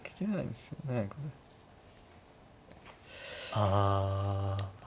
ああ。